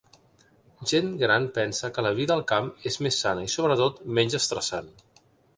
Gent gran pensa que la vida al camp és més sana i sobretot menys estressant.